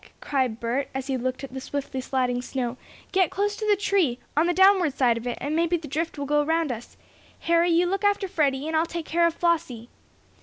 cried Bert, as he looked at the swiftly sliding snow, "get close to the tree on the downward side of it, and maybe the drift will go around us. Harry, you look after Freddie, and I'll take care of Flossie!"